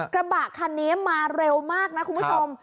กระบะคันนี้มาเร็วมากนะคุณผู้ชม